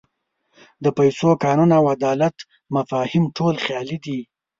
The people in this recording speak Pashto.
د پیسو، قانون او عدالت مفاهیم ټول خیالي دي.